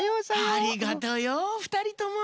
ありがとよふたりとも。